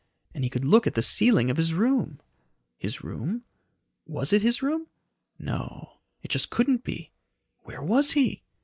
And he could look at the ceiling of his room! His room? Was it his room! No It just couldn't be. Where was he?